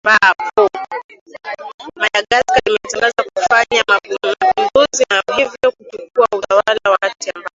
madagascar limetangaza kufanya mapinduzi na hivyo kuchukuwa utawala wakati ambapo